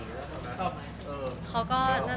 แฟนคลับของคุณไม่ควรเราอะไรไง